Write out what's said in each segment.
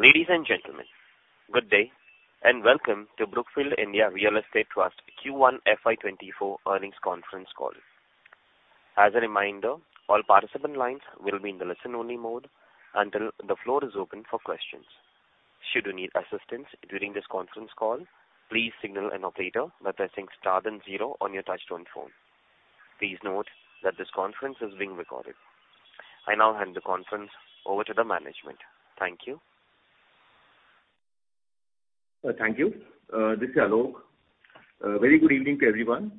Ladies and gentlemen, good day, and welcome to Brookfield India Real Estate Trust Q1 FY 2024 earnings conference call. As a reminder, all participant lines will be in the listen-only mode until the floor is open for questions. Should you need assistance during this conference call, please signal an operator by pressing star then zero on your touchtone phone. Please note that this conference is being recorded. I now hand the conference over to the management. Thank you. Thank you. This is Alok. Very good evening to everyone.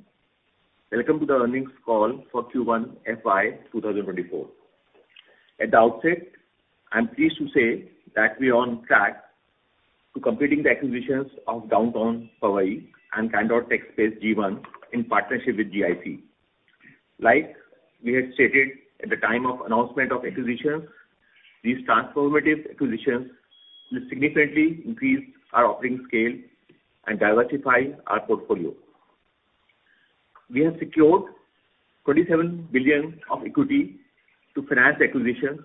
Welcome to the earnings call for Q1 FY 2024. At the outset, I'm pleased to say that we are on track to completing the acquisitions of Downtown Powai and Candor TechSpace G1 in partnership with GIC. Like we had stated at the time of announcement of acquisitions, these transformative acquisitions will significantly increase our operating scale and diversify our portfolio. We have secured 27 billion of equity to finance acquisitions.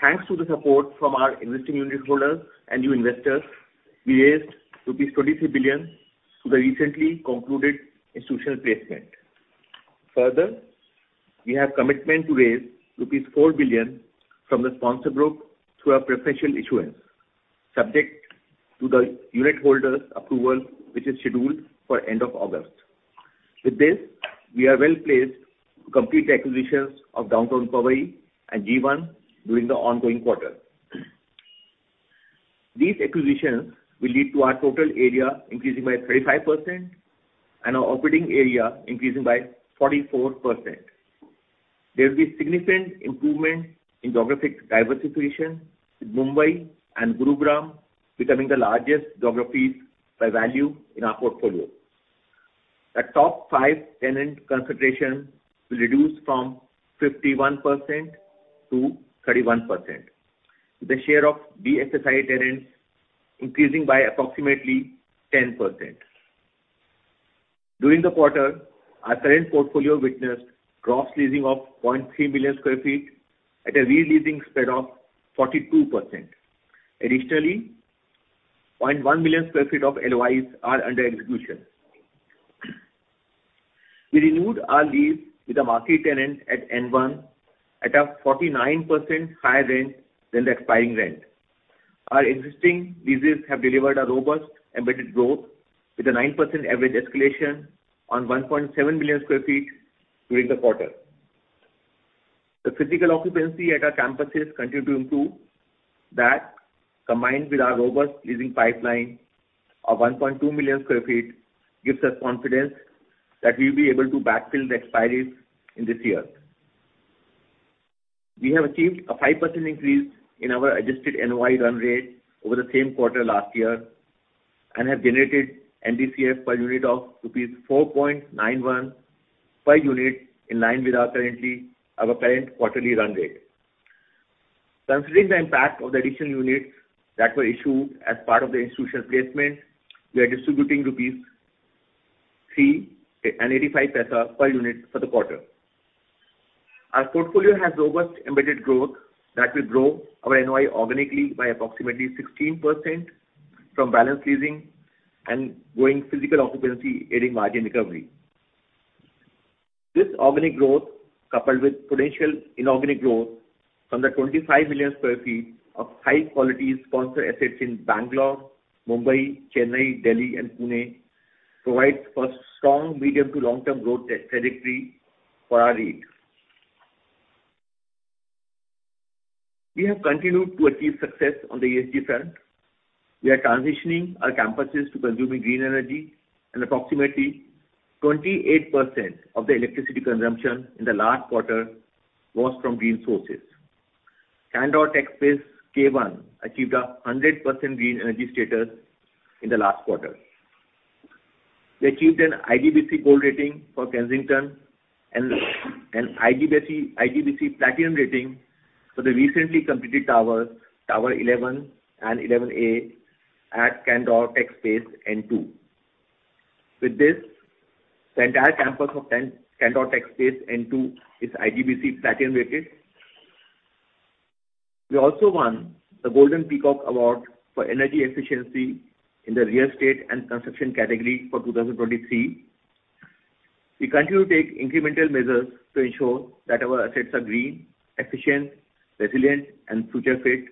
Thanks to the support from our existing unitholders and new investors, we raised rupees 23 billion through the recently concluded institutional placement. Further, we have commitment to raise rupees 4 billion from the Sponsor Group through our preferential issuance, subject to the unitholders' approval, which is scheduled for end of August. With this, we are well placed to complete the acquisitions of Downtown Powai and G1 during the ongoing quarter. These acquisitions will lead to our total area increasing by 35% and our operating area increasing by 44%. There will be significant improvement in geographic diversification, with Mumbai and Gurugram becoming the largest geographies by value in our portfolio. The top five tenant concentration will reduce from 51% to 31%, with the share of DSSI tenants increasing by approximately 10%. During the quarter, our current portfolio witnessed gross leasing of 0.3 million sq ft at a re-leasing spread of 42%. Additionally, 0.1 million sq ft of NOIs are under execution. We renewed our lease with a market tenant at N1 at a 49% higher rent than the expiring rent. Our existing leases have delivered a robust embedded growth, with a 9% average escalation on 1.7 million sq ft during the quarter. The physical occupancy at our campuses continue to improve. That, combined with our robust leasing pipeline of 1.2 million sq ft, gives us confidence that we'll be able to backfill the expiries in this year. We have achieved a 5% increase in our adjusted NOI run rate over the same quarter last year and have generated NDCF per unit of rupees 4.91 per unit, in line with our current quarterly run rate. Considering the impact of the additional units that were issued as part of the institutional placement, we are distributing INR 3.85 per unit for the quarter. Our portfolio has robust embedded growth that will grow our NOI organically by approximately 16% from balance leasing and growing physical occupancy, aiding margin recovery. This organic growth, coupled with potential inorganic growth from the 25 million sq ft of high-quality sponsor assets in Bangalore, Mumbai, Chennai, Delhi, and Pune, provides for strong medium to long-term growth trajectory for our REIT. We have continued to achieve success on the ESG front. We are transitioning our campuses to consuming green energy. Approximately 28% of the electricity consumption in the last quarter was from green sources. Candor TechSpace K-One achieved a 100% green energy status in the last quarter. We achieved an IGBC Gold rating for Kensington and an IGBC Platinum rating for the recently completed tower, Tower 11 and 11A at Candor TechSpace N-Two. With this, the entire campus of Candor TechSpace N2 is IGBC Platinum rated. We also won the Golden Peacock Award for Energy Efficiency in the real estate and construction category for 2023. We continue to take incremental measures to ensure that our assets are green, efficient, resilient, and future fit,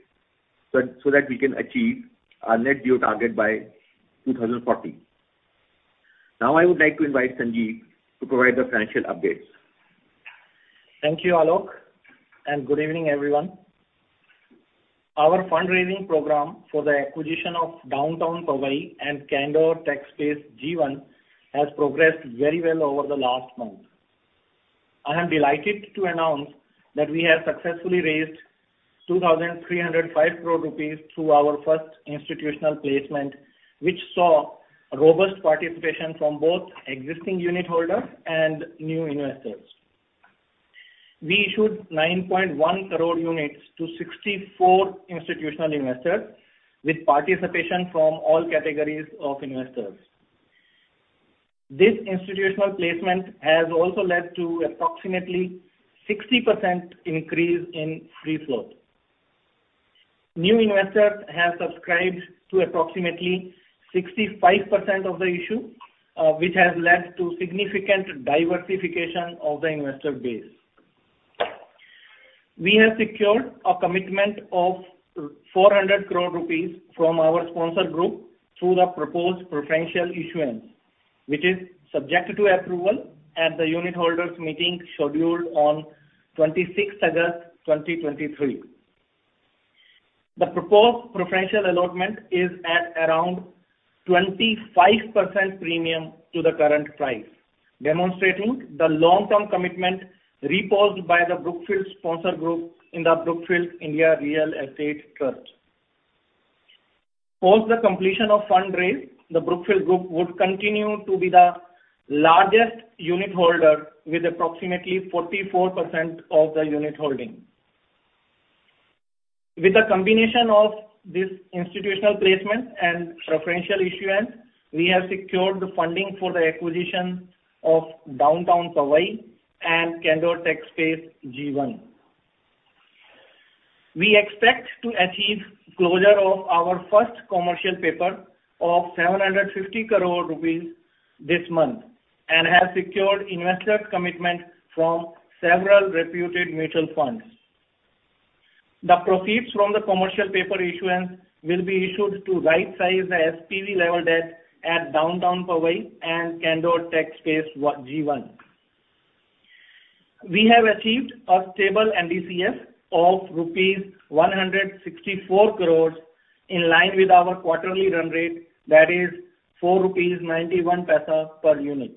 so that we can achieve our net zero target by 2040. Now, I would like to invite Sanjeev to provide the financial updates. Thank you, Alok. Good evening, everyone. Our fundraising program for the acquisition of Downtown Powai and Candor TechSpace G1 has progressed very well over the last month. I am delighted to announce that we have successfully raised 2,305 crore rupees through our first institutional placement, which saw a robust participation from both existing unitholders and new investors. We issued 9.1 crore units to 64 institutional investors, with participation from all categories of investors. This institutional placement has also led to approximately 60% increase in free flow. New investors have subscribed to approximately 65% of the issue, which has led to significant diversification of the investor base. We have secured a commitment of 400 crore rupees from our sponsor group through the proposed preferential issuance, which is subject to approval at the unitholders meeting scheduled on August 26th, 2023. The proposed preferential allotment is at around 25% premium to the current price, demonstrating the long-term commitment reposed by the Brookfield sponsor group in the Brookfield India Real Estate Trust. Post the completion of fundraise, the Brookfield Group would continue to be the largest unitholder, with approximately 44% of the unit holding. With a combination of this institutional placement and preferential issuance, we have secured the funding for the acquisition of Downtown Powai and Candor TechSpace G1. We expect to achieve closure of our first commercial paper of 750 crore rupees this month, and have secured investor commitment from several reputed mutual funds. The proceeds from the commercial paper issuance will be issued to right-size the SPV level debt at Downtown Powai and Candor TechSpace G1. We have achieved a stable NDCF of rupees 164 crore, in line with our quarterly run rate, that is, 4.91 rupees per unit.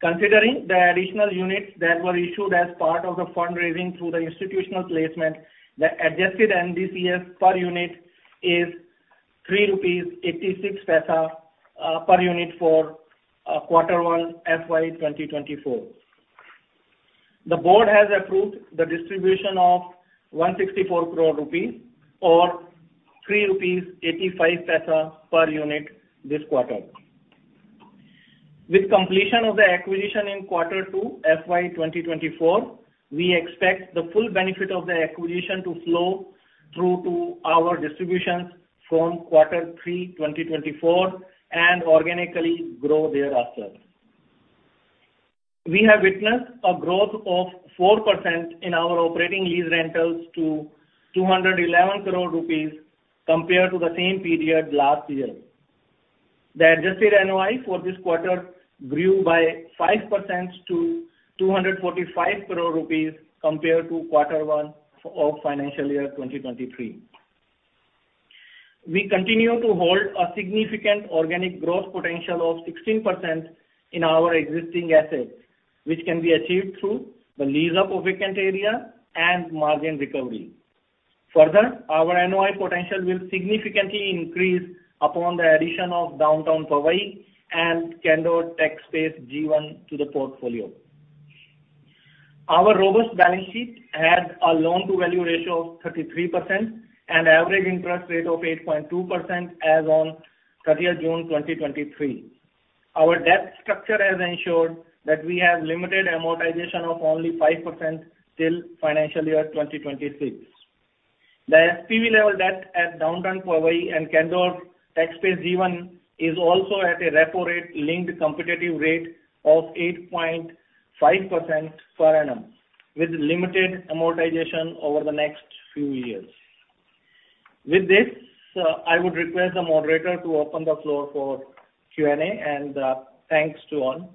Considering the additional units that were issued as part of the fundraising through the institutional placement, the adjusted NDCF per unit is 3.86 rupees per unit for Q1 FY 2024. The board has approved the distribution of 164 crore rupees or 3.85 rupees per unit this quarter. With completion of the acquisition in Q2 FY 2024, we expect the full benefit of the acquisition to flow through to our distributions from Q3 2024, and organically grow thereafter. We have witnessed a growth of 4% in our operating lease rentals to 211 crore rupees compared to the same period last year. The adjusted NOI for this quarter grew by 5% to 245 crore rupees compared to Q1 FY 2023. We continue to hold a significant organic growth potential of 16% in our existing assets, which can be achieved through the lease-up of vacant area and margin recovery. Further, our NOI potential will significantly increase upon the addition of Downtown Powai and Candor TechSpace G1 to the portfolio. Our robust balance sheet has a loan-to-value ratio of 33% and average interest rate of 8.2% as on June 30, 2023. Our debt structure has ensured that we have limited amortization of only 5% till FY 2026. The SPV level debt at Downtown Powai and Candor TechSpace G1 is also at a repo rate, linked competitive rate of 8.5% per annum, with limited amortization over the next few years. With this, I would request the moderator to open the floor for Q&A, and thanks to all.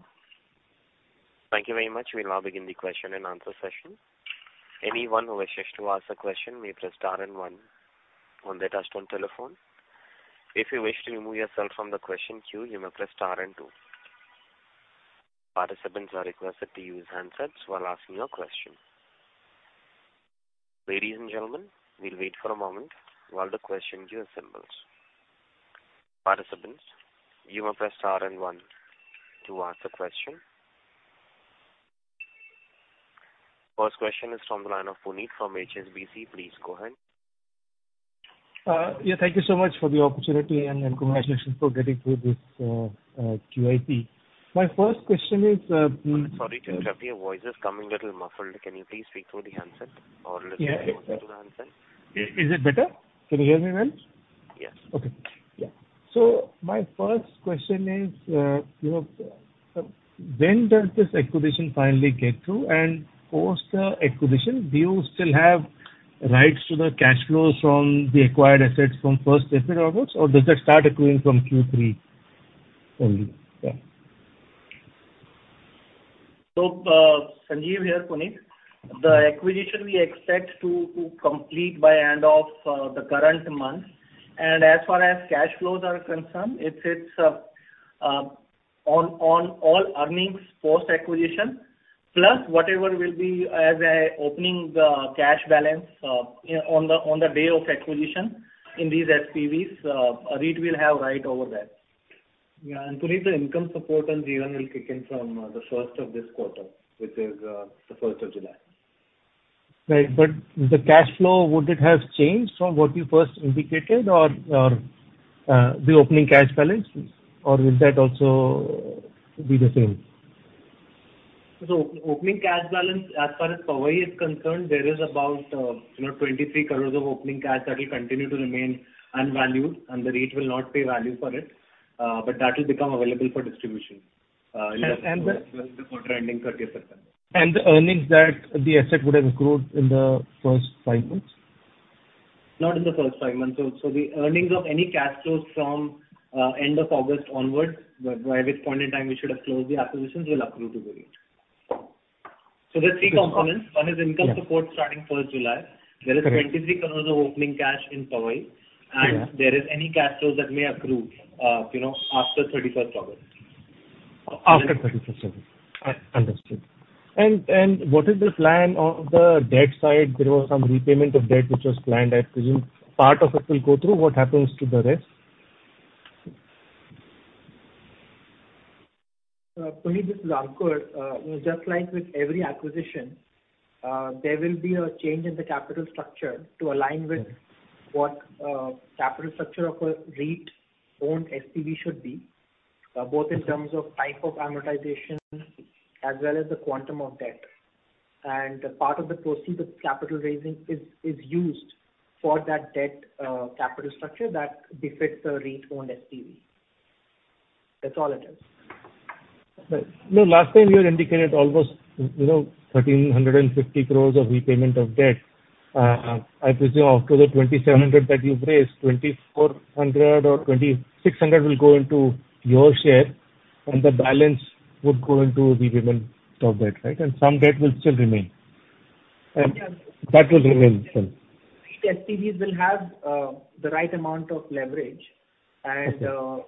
Thank you very much. We'll now begin the question and answer session. Anyone who wishes to ask a question, may press star and one on the touch-tone telephone. If you wish to remove yourself from the question queue, you may press star and two. Participants are requested to use handsets while asking your question. Ladies and gentlemen, we'll wait for a moment while the question queue assembles. Participants, you may press star and one to ask a question. First question is from the line of Puneet from HSBC. Please go ahead. Yeah, thank you so much for the opportunity, and congratulations for getting through this QIP. My first question is, Sorry to interrupt, your voice is coming a little muffled. Can you please speak through the handset or little- Yeah. Closer to the handset? Is it better? Can you hear me well? Yes. Okay. Yeah. My first question is, you know, when does this acquisition finally get through? Post the acquisition, do you still have rights to the cash flows from the acquired assets from first business onwards, or does that start accruing from Q3 only? Yeah. Sanjeev here, Puneet. The acquisition we expect to, to complete by end of, the current month. As far as cash flows are concerned, it's, it's, on, on all earnings post-acquisition, plus whatever will be as a opening the cash balance, on the, on the day of acquisition in these SPVs, REIT will have right over that. Yeah, Puneet, the income support on G1 will kick in from the first of this quarter, which is the first of July. Right, but the cash flow, would it have changed from what you first indicated or, or, the opening cash balance, or will that also be the same? Opening cash balance, as far as Powai is concerned, there is about, you know, 23 crore of opening cash that will continue to remain unvalued, and the REIT will not pay value for it, but that will become available for distribution, in the- And the- Quarter ending 31st September. The earnings that the asset would have accrued in the first five months? Not in the first five months. So the earnings of any cash flows from end of August onwards, by which point in time we should have closed the acquisitions, will accrue to the REIT. There are three components. Yeah. One is income support starting first July. Correct. There is 23 crores of opening cash in Powai. Yeah. There is any cash flows that may accrue, you know, after 31st August. After 31st August. Understood. What is the plan on the debt side? There was some repayment of debt which was planned, I presume part of it will go through. What happens to the rest? Puneet, this is Ankur. Just like with every acquisition, there will be a change in the capital structure to align with- Mm-hmm. what, capital structure of a REIT-owned SPV should be. Okay Both in terms of type of amortization as well as the quantum of debt. Part of the proceeds of capital raising is, is used for that debt, capital structure that befits a REIT-owned SPV. That's all it is. Right. No, last time you had indicated almost, you know, 1,350 crore of repayment of debt. I presume after the 2,700 that you've raised, 2,400 or 2,600 will go into your share, and the balance would go into repayment of debt, right? Some debt will still remain. Yeah. That will remain still. REIT SPVs will have, the right amount of leverage. Okay.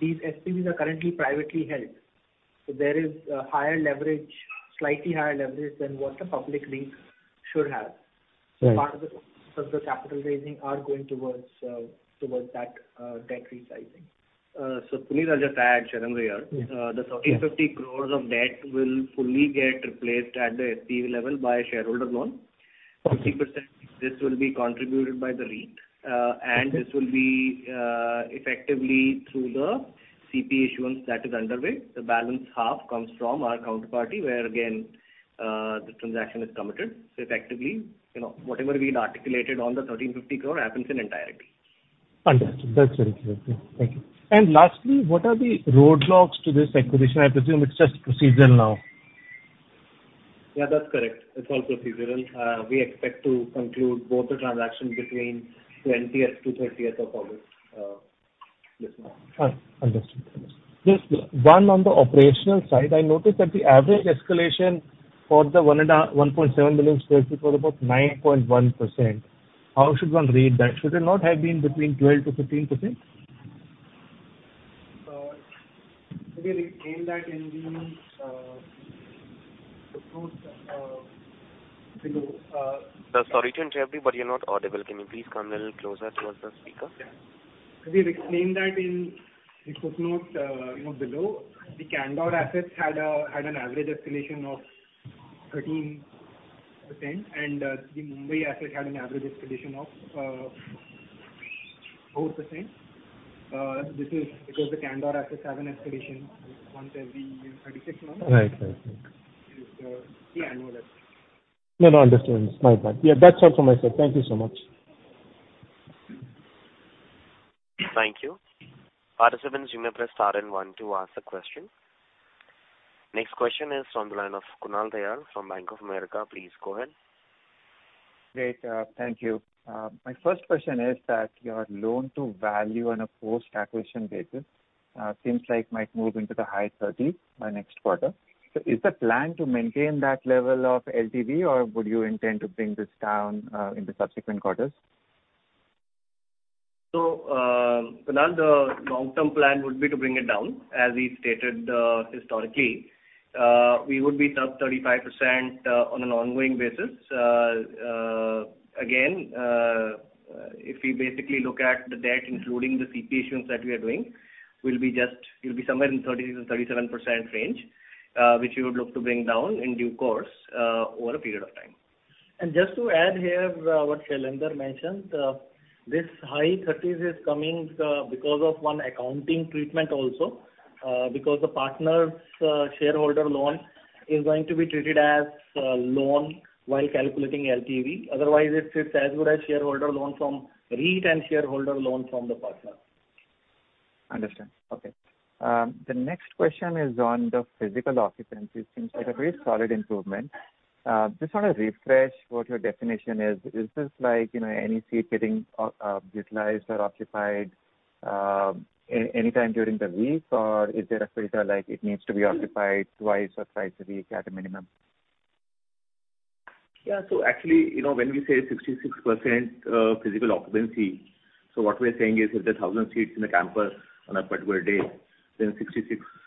These SPVs are currently privately held, so there is a higher leverage, slightly higher leverage than what a public REIT should have. Right. Part of the, of the capital raising are going towards, towards that, debt resizing. Puneet, I'll just add, Sanjeev, here. Yeah. The 1,350 crore of debt will fully get replaced at the SPV level by a shareholder loan. 50% this will be contributed by the REIT. Okay This will be, effectively through the CP issuance that is underway. The balance half comes from our counterparty, where again, the transaction is committed. Effectively, you know, whatever we had articulated on the 1,350 crore happens in entirety. Understood. That's very clear. Thank you. Lastly, what are the roadblocks to this acquisition? I presume it's just procedural now. Yeah, that's correct. It's all procedural. We expect to conclude both the transactions between 20th to 30th of August this month. Understood. Understood. Just one on the operational side, I noticed that the average escalation for the 1.7 million square feet was about 9.1%. How should one read that? Should it not have been between 12%-15%? We explained that in the footnote, you know. Sorry to interrupt you, but you're not audible. Can you please come a little closer towards the speaker? Yeah. We've explained that in the footnote, you know, below. The Kensington assets had a, had an average escalation of 13%, and the Mumbai asset had an average escalation of 4%. This is because the Kensington assets have an escalation once every 36 months. Right. Right, right. Yeah, I know that. No, no, understood. My bad. Yeah, that's all from my side. Thank you so much. Thank you. Participants, you may press star and one to ask a question. Next question is from the line of Kunal Tayal from Bank of America. Please go ahead. Great, thank you. My first question is that your loan-to-value on a post-acquisition basis, seems like it might move into the high 30s by next quarter. Is the plan to maintain that level of LTV, or would you intend to bring this down, in the subsequent quarters? Kunal, the long-term plan would be to bring it down. As we've stated, historically, we would be top 35% on an ongoing basis. Again, if we basically look at the debt, including the CP issuance that we are doing, we'll be just, it'll be somewhere in the 30%-37% range, which we would look to bring down in due course, over a period of time. Just to add here, what Shailendra mentioned, this high thirties is coming because of one accounting treatment also. The partner's shareholder loan is going to be treated as a loan while calculating LTV. It's as good as shareholder loan from REIT and shareholder loan from the partner. Understand. Okay. The next question is on the physical occupancy. It seems like a very solid improvement. Just want to refresh what your definition is. Is this like, you know, any seat getting utilized or occupied anytime during the week? Or is there a filter, like it needs to be occupied twice or thrice a week at a minimum? Yeah. Actually, you know, when we say 66% physical occupancy, what we're saying is, if there are 1,000 seats in a campus on a particular day, then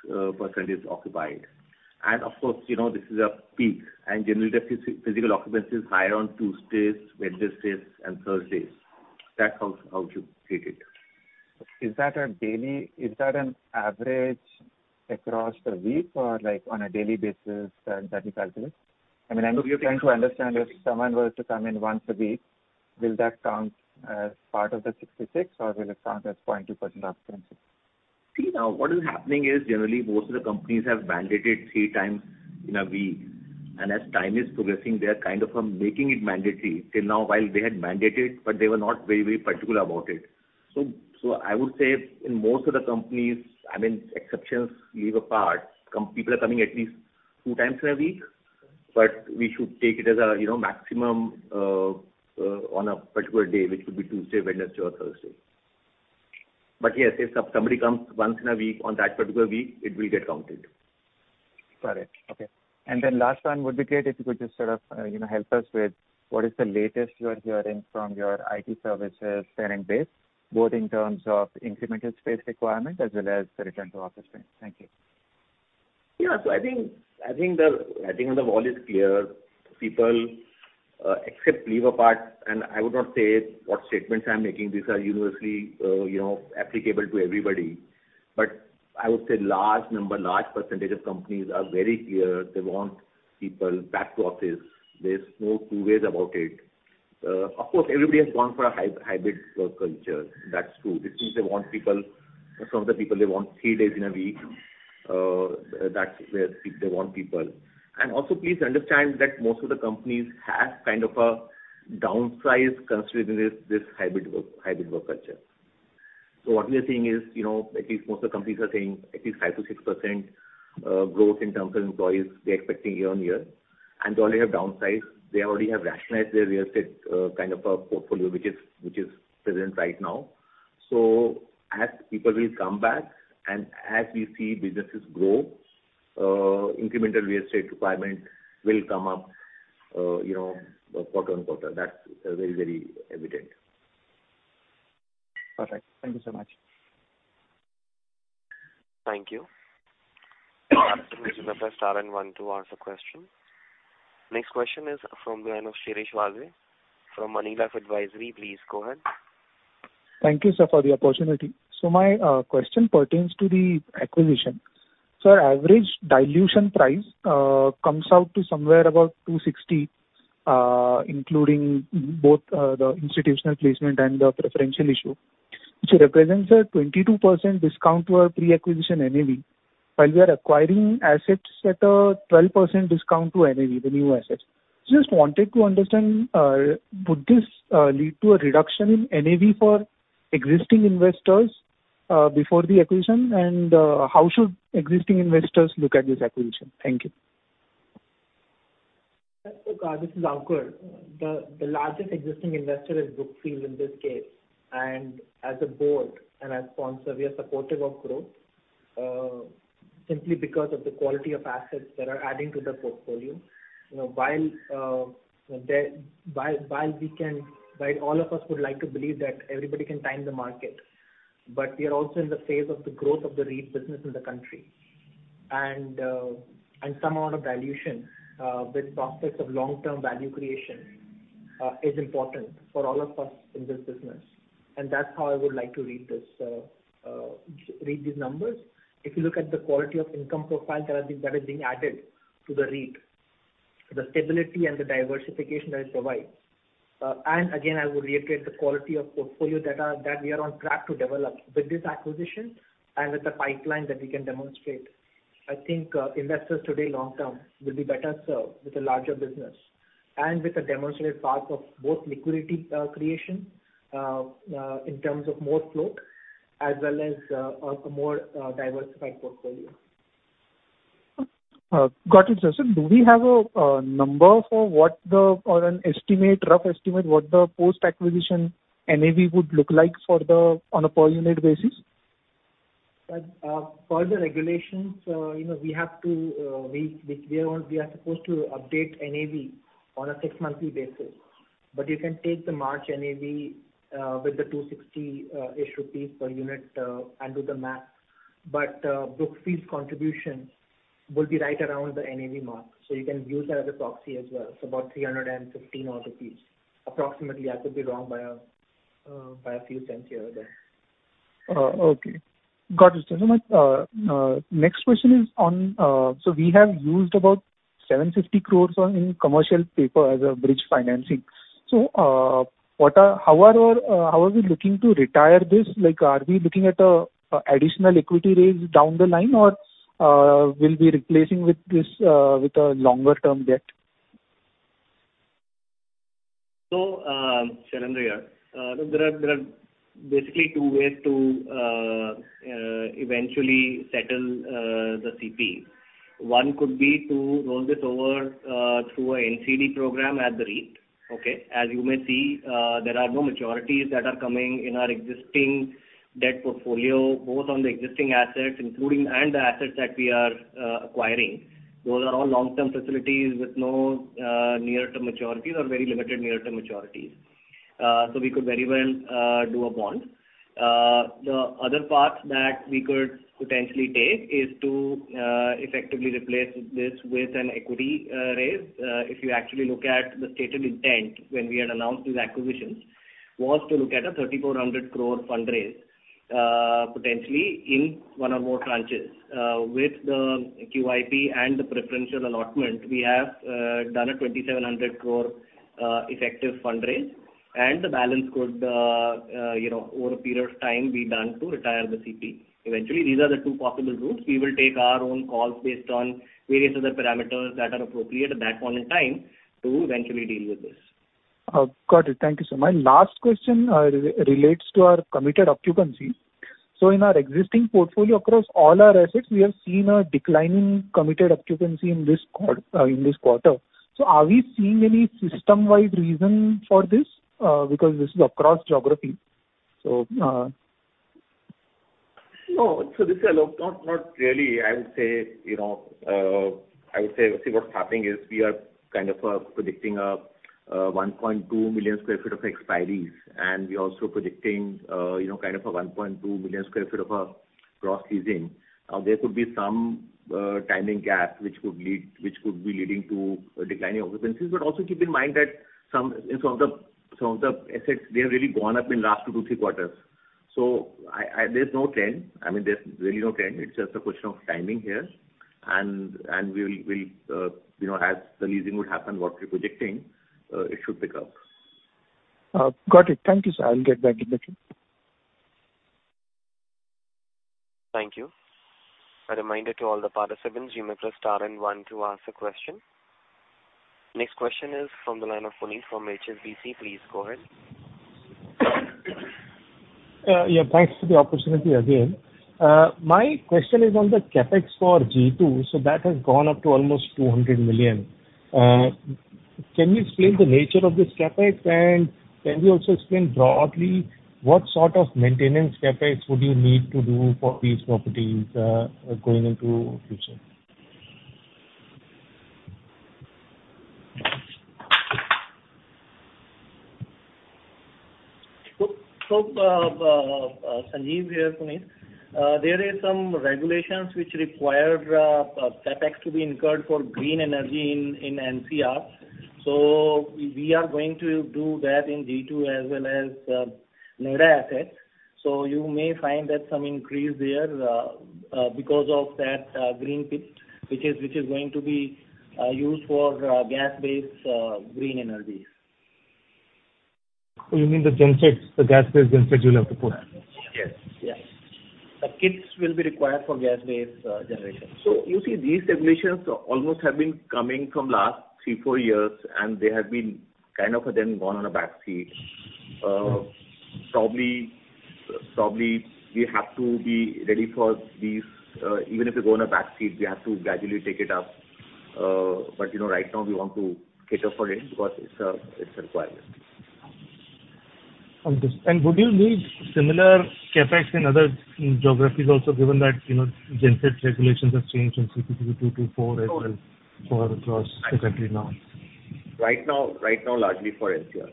66% is occupied. Of course, you know, this is a peak, and generally the physical occupancy is higher on Tuesdays, Wednesdays, and Thursdays. That's how, how you treat it. Is that an average across the week or, like, on a daily basis that you calculate? I mean, I'm trying to understand if someone were to come in once a week, will that count as part of the 66, or will it count as 0.2% occupancy? See, now, what is happening is, generally, most of the companies have mandated three times in a week, and as time is progressing, they are kind of, making it mandatory. Till now, while they had mandated, but they were not very, very particular about it. So, so I would say in most of the companies, I mean, exceptions leave apart, people are coming at least two times in a week. We should take it as a, you know, maximum, on a particular day, which could be Tuesday, Wednesday or Thursday. Yes, if so- somebody comes once in a week, on that particular week, it will get counted. Got it. Okay. Then last one, would be great if you could just sort of, you know, help us with what is the latest you are hearing from your IT services tenant base, both in terms of incremental space requirement as well as the return to office space? Thank you. Yeah. I think on the wall is clear. People, except leave apart, I would not say what statements I'm making, these are universally, you know, applicable to everybody. I would say large number, large percentage of companies are very clear, they want people back to office. There's no 2 ways about it. Of course, everybody has gone for a hybrid work culture. That's true. This means they want people, some of the people, they want 3 days in a week, that's where they want people. Also, please understand that most of the companies have kind of a downsize considering this, this hybrid work, hybrid work culture. What we are seeing is, you know, at least most of the companies are saying at least 5%-6% growth in terms of employees, they're expecting year-on-year. They already have downsized. They already have rationalized their real estate, kind of a portfolio, which is, which is present right now. As people will come back and as we see businesses grow, incremental real estate requirement will come up, you know, quarter-on-quarter. That's very, very evident. Perfect. Thank you so much. Thank you. This is the first RN one to ask a question. Next question is from the line of Shirish Waze, from Moneylife Advisory. Please, go ahead. Thank you, sir, for the opportunity. My question pertains to the acquisition. Sir, average dilution price comes out to somewhere about 260, including both the institutional placement and the preferential issue, which represents a 22% discount to our pre-acquisition NAV, while we are acquiring assets at a 12% discount to NAV, the new assets. Just wanted to understand, would this lead to a reduction in NAV for existing investors before the acquisition? How should existing investors look at this acquisition? Thank you. This is Ankur. The, the largest existing investor is Brookfield in this case, and as a board and as sponsor, we are supportive of growth, simply because of the quality of assets that are adding to the portfolio. You know, while the, while, while we can-- while all of us would like to believe that everybody can time the market, but we are also in the phase of the growth of the REIT business in the country. Some amount of dilution, with prospects of long-term value creation, is important for all of us in this business. That's how I would like to read this, read these numbers. If you look at the quality of income profile that are being, that are being added to the REIT, the stability and the diversification that it provides. Again, I would reiterate the quality of portfolio that that we are on track to develop with this acquisition and with the pipeline that we can demonstrate. I think investors today, long term, will be better served with a larger business and with a demonstrated path of both liquidity, creation, in terms of more float, as well as, a more, diversified portfolio. Got it, sir. Do we have a number for what the... or an estimate, rough estimate, what the post-acquisition NAV would look like for the- on a per unit basis? Per the regulations, you know, we have to, we, we, we are, we are supposed to update NAV on a 6-monthly basis. You can take the March NAV with the 260 rupees issue per unit and do the math. Brookfield's contribution will be right around the NAV mark, so you can use that as a proxy as well. It's about 315 rupees odd, approximately. I could be wrong by a few cents here or there. Okay. Got it. Thank you so much. Next question is on. We have used about 750 crore in CP as a bridge financing. How are our, how are we looking to retire this? Like, are we looking at a additional equity raise down the line, or we'll be replacing with this with a longer-term debt? Shailendra here. There are, there are basically two ways to eventually settle the CP. One could be to roll this over through a NCD program at the REIT, okay? You may see, there are no maturities that are coming in our existing debt portfolio, both on the existing assets, including, and the assets that we are acquiring. Those are all long-term facilities with no near-term maturities or very limited near-term maturities. We could very well do a bond. The other path that we could potentially take is to effectively replace this with an equity raise. If you actually look at the stated intent when we had announced these acquisitions, was to look at a 3,400 crore fund raise. Potentially in one or more tranches. With the QIP and the preferential allotment, we have done a 2,700 crore effective fundraise, and the balance could, you know, over a period of time, be done to retire the CP. Eventually, these are the two possible routes. We will take our own calls based on various other parameters that are appropriate at that point in time to eventually deal with this. Got it. Thank you, sir. My last question relates to our committed occupancy. In our existing portfolio across all our assets, we have seen a decline in committed occupancy in this quarter. Are we seeing any system-wide reason for this? Because this is across geography. No. This is a lot, not, not really, I would say, you know, I would say, see, what's happening is we are kind of predicting a 1.2 million sq ft of expiries, and we're also predicting, you know, kind of a 1.2 million sq ft of cross leasing. There could be some timing gap which could be leading to a declining occupancies. Also, keep in mind that some, some of the, some of the assets, they have really gone up in last two to three quarters. I, I, there's no trend. I mean, there's really no trend. It's just a question of timing here. We will, we'll, you know, as the leasing would happen, what we're predicting, it should pick up. Got it. Thank you, sir. I'll get back in touch. Thank you. A reminder to all the participants, you may press star and 1 to ask a question. Next question is from the line of Puneet from HSBC. Please go ahead. Yeah, thanks for the opportunity again. My question is on the CapEx for G2. That has gone up to almost $200 million. Can you explain the nature of this CapEx, and can you also explain broadly what sort of maintenance CapEx would you need to do for these properties, going into future? Sanjeev here, Puneet. There is some regulations which require CapEx to be incurred for green energy in NCR. We are going to do that in G2 as well as Noida assets. You may find that some increase there because of that green pit, which is going to be used for gas-based green energies. You mean the gensets, the gas-based gensets you'll have to put? Yes, yes. The kits will be required for gas-based generation. You see, these regulations almost have been coming from last 3, 4 years. They have been kind of then gone on a back seat. Probably, probably, we have to be ready for these. Even if we go on a back seat, we have to gradually take it up. You know, right now, we want to cater for it because it's a, it's a requirement. Understood. Would you need similar CapEx in other geographies also, given that, you know, genset regulations have changed in CPCB IV+? Sure. as well, for across the country now? Right now, right now, largely for NCR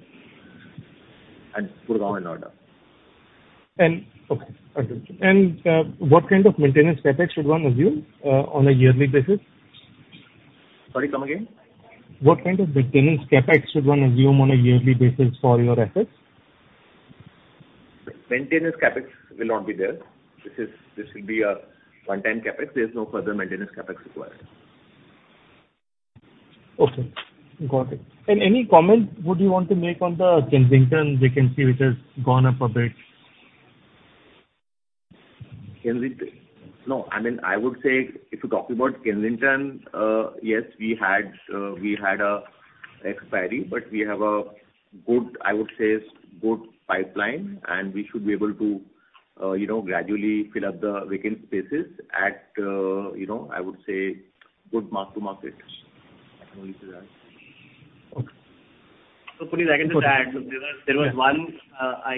and Gurgaon and Noida. Okay. Understood. What kind of maintenance CapEx should one assume, on a yearly basis? Sorry, come again? What kind of maintenance CapEx should one assume on a yearly basis for your assets? Maintenance CapEx will not be there. This will be a one-time CapEx. There's no further maintenance CapEx required. Okay, got it. Any comment would you want to make on the Kensington vacancy, which has gone up a bit? Kensington? No, I mean, I would say, if you're talking about Kensington, yes, we had, we had a expiry, but we have a good, I would say, good pipeline, and we should be able to, you know, gradually fill up the vacant spaces at, you know, I would say, good mark-to-market. I can leave it at that. Okay. Puneet, I can just add. There was, there was one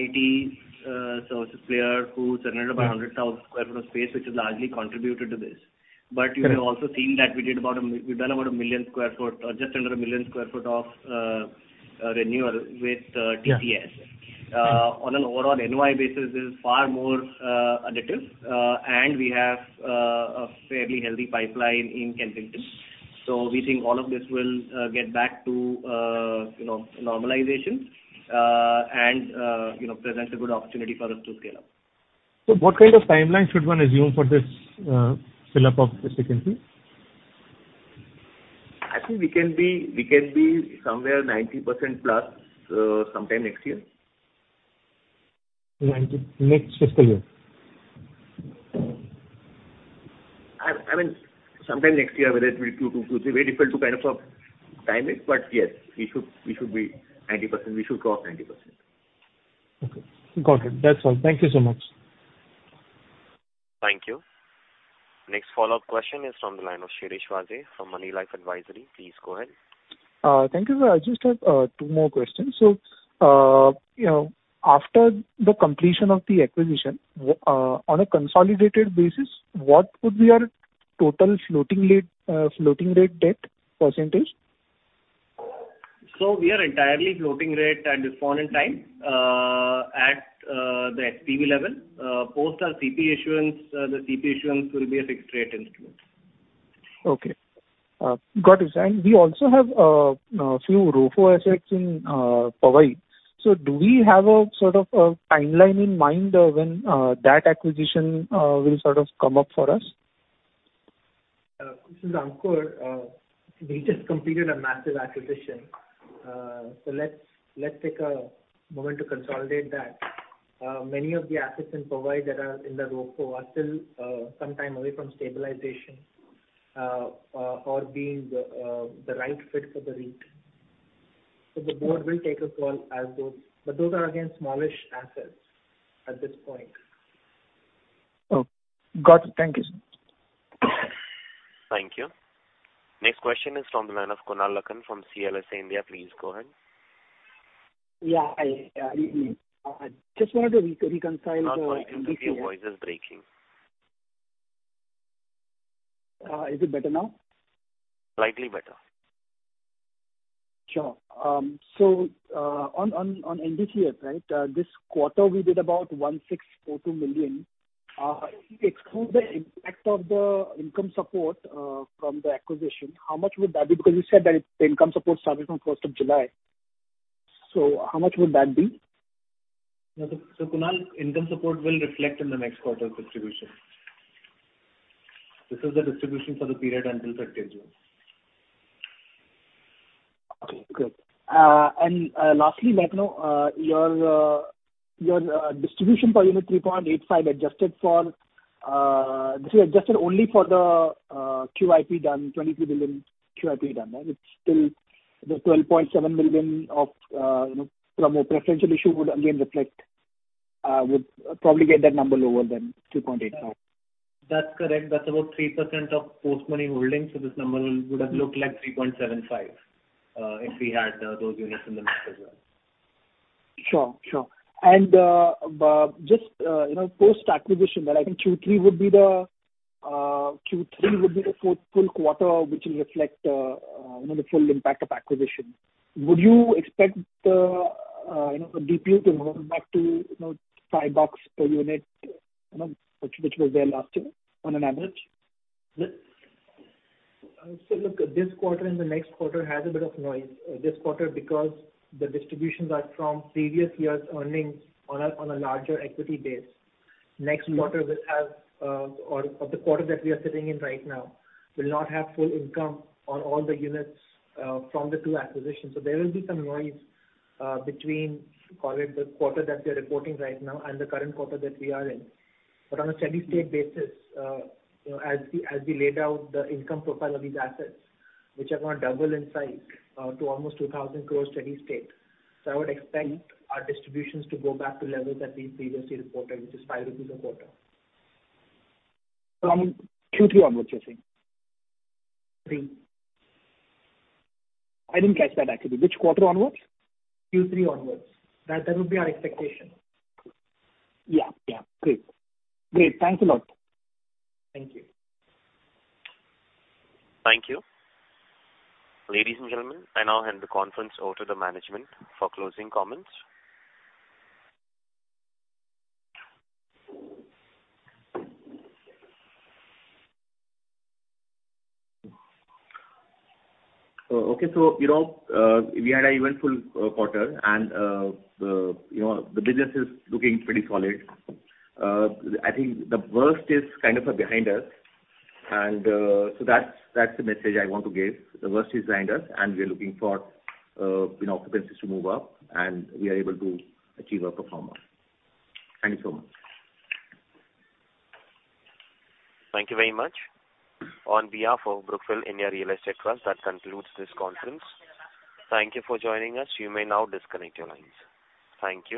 IT services player who turned up... Yeah. 100,000 sq ft of space, which has largely contributed to this. Got it. You have also seen that we've done about $1 million square foot, or just under $1 million square foot of, renewal with. Yeah. TCS. On an overall NOI basis, this is far more additive, and we have a fairly healthy pipeline in Kensington. We think all of this will get back to, you know, normalization, and, you know, present a good opportunity for us to scale up. What kind of timeline should one assume for this, fill up of this vacancy? I think we can be, we can be somewhere 90%+ sometime next year. 90, next fiscal year? I, I mean, sometime next year, whether it will be two, two... It's very difficult to kind of time it. Yes, we should, we should be 90%. We should cross 90%. Okay, got it. That's all. Thank you so much. Thank you. Next follow-up question is from the line of Shirish Waze from MoneyLife Advisory. Please go ahead. Thank you, sir. I just have two more questions. You know, after the completion of the acquisition, on a consolidated basis, what would be our total floating rate, floating rate debt %? We are entirely floating rate at this point in time, at the SPV level. Post our CP issuance, the CP issuance will be a fixed rate instrument. Okay. got it. We also have a few ROFO assets in Powai. Do we have a sort of a timeline in mind of when that acquisition will sort of come up for us? This is Ankur. We just completed a massive acquisition. Let's, let's take a moment to consolidate that. Many of the assets in Powai that are in the ROFO are still sometime away from stabilization or being the right fit for the REIT. The board will take a call. Those are, again, smallish assets at this point. Oh, got it. Thank you. Thank you. Next question is from the line of Kunal Lakhan from CLSA India. Please go ahead. Yeah, I, I just wanted to reconcile- Kunal, your voice is breaking. Is it better now? Slightly better. Sure. This quarter, we did about 1,642 million. Exclude the impact of the income support from the acquisition, how much would that be? Because you said that the income support started from 1st of July. How much would that be? Kunal, income support will reflect in the next quarter distribution. This is the distribution for the period until 30 of June. Okay, good. Lastly, may I know your your DPU 3.85 adjusted for, this is adjusted only for the QIP done, 22 billion QIP done, right? It's still the 12.7 million of, you know, from a preferential issue would again reflect, would probably get that number lower than 2.85. That's correct. That's about 3% of post-money holdings, so this number would have looked like 3.75, if we had, those units in the mix as well. Sure, sure. But just, you know, post-acquisition that I think Q3 would be the Q3 would be the full, full quarter, which will reflect, you know, the full impact of acquisition. Would you expect the, you know, the DPU to move back to, you know, $5 per unit, you know, which, which was there last year on an average? Look, this quarter and the next quarter has a bit of noise. This quarter, because the distributions are from previous years' earnings on a larger equity base. Yeah. Next quarter will have, or, or the quarter that we are sitting in right now, will not have full income on all the units, from the 2 acquisitions. There will be some noise, between, call it, the quarter that we are reporting right now and the current quarter that we are in. On a steady-state basis, you know, as we, as we laid out the income profile of these assets, which are going to double in size, to almost 2,000 crore steady state. I would expect our distributions to go back to levels that we previously reported, which is 5 rupees a quarter. From Q3 onwards, you're saying? Three. I didn't catch that actually. Which quarter onwards? Q3 onwards. That, that would be our expectation. Yeah, yeah. Great. Great, thanks a lot. Thank you. Thank you. Ladies and gentlemen, I now hand the conference over to the management for closing comments. Okay, you know, we had an eventful quarter, and, you know, the business is looking pretty solid. I think the worst is kind of behind us, so that's the message I want to give. The worst is behind us. We are looking for, you know, occupancies to move up, and we are able to achieve our performance. Thank you so much. Thank you very much. On behalf of Brookfield India Real Estate Trust, that concludes this conference. Thank you for joining us. You may now disconnect your lines. Thank you.